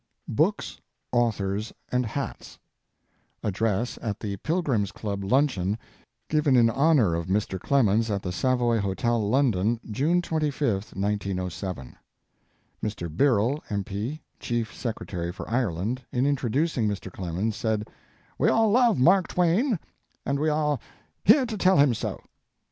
BOOKS, AUTHORS, AND HATS ADDRESS AT THE PILGRIMS' CLUB LUNCHEON, GIVEN IN HONOR OF Mr. CLEMENS AT THE SAVOY HOTEL, LONDON, JUNE 25, 1907. Mr. Birrell, M.P., Chief Secretary for Ireland, in introducing Mr. Clemens said: "We all love Mark Twain, and we are here to tell him so.